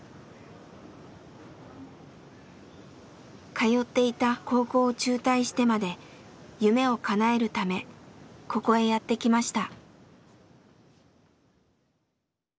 通っていた高校を中退してまで夢をかなえるためここへやって来ました。